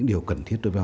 điều cần thiết đối với họ